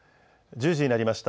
１０時になりました。